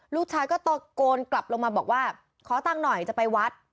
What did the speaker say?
ลูกชายก็ตะโกนกลับลงมาบอกว่าขอตังค์หน่อยจะไปวัด